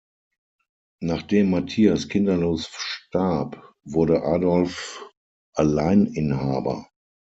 Nachdem Matthias kinderlos starb, wurde Adolf Alleininhaber.